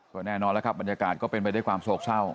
ก็แน่นอนแล้วครับบรรยากาศก็เป็นไปด้วยความโศกเศร้า